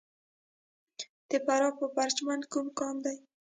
د فراه په پرچمن کې کوم کان دی؟